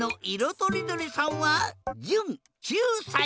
とりどりさんはじゅん９さい。